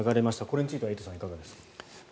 これについてはエイトさんいかがですか？